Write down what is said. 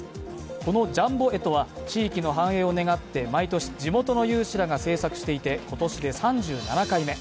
このジャンボ干支は地域の繁栄を願って毎年、地元の有志らが制作していて今年で３７回目。